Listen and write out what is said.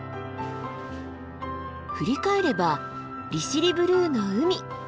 振り返れば利尻ブルーの海。